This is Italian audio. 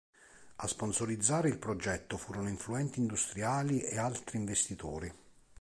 A sponsorizzare il progetto furono influenti industriali e altri investitori.